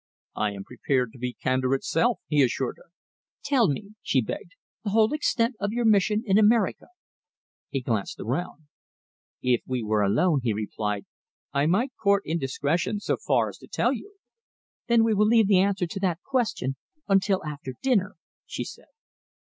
"I am prepared to be candour itself," he assured her. "Tell me," she begged, "the whole extent of your mission in America?" He glanced around. "If we were alone," he replied, "I might court indiscretion so far as to tell you." "Then we will leave the answer to that question until after dinner," she said.